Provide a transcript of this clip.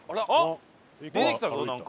出てきたぞなんか。